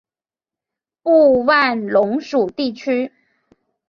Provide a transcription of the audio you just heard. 布万龙属地区。